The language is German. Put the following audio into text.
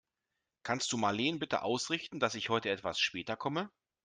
Kannst du Marleen bitte ausrichten, dass ich heute etwas später komme?